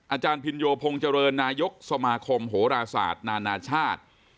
อาจารย์พินโยพงษ์เจริญนายกสมาคมโหราศาสตร์นานาชาติ